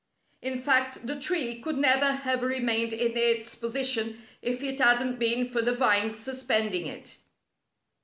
In fact, the tree could never have remained in its position if it hadn't been for the vines suspending it.